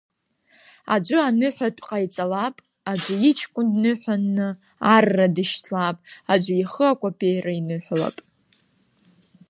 Аӡәы аныҳәатә ҟаиҵалап, аӡәы иҷкәын дныҳәаны арра дишьҭлап, аӡәы ихы акәапеира иныҳәалап.